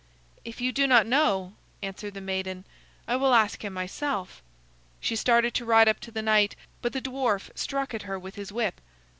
"If you do not know," answered the maiden, "I will ask him myself." She started to ride up to the knight, but the dwarf struck at her with his whip.